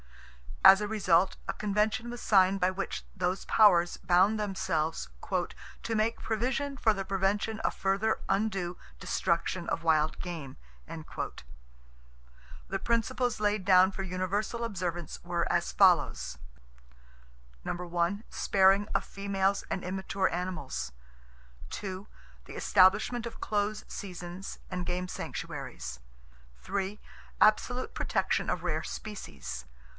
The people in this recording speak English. As a result a Convention was signed by which those powers bound themselves "to make provision for the prevention of further undue destruction of wild game." The principles laid down for universal observance were as follows: Sparing of females and immature animals. The establishment of close seasons and game sanctuaries. Absolute protection of rare species.